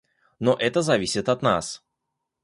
Но это зависит от нас.